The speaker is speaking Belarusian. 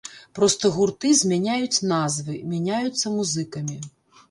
Проста гурты змяняюць назвы, мяняюцца музыкамі.